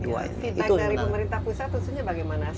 ditaik dari pemerintah pusat hasilnya bagaimana